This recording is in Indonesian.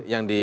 yang di sini